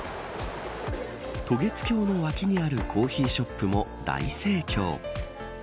渡月橋の脇にあるコーヒーショップも大盛況。